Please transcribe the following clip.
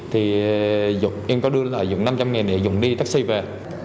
thì dũng em có đưa lại dũng năm trăm linh nghìn để dũng đi taxi về